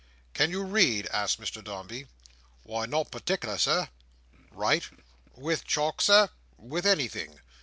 "Can you read?" asked Mr Dombey. "Why, not partickk'ller, Sir." "Write?" "With chalk, Sir?" "With anything?"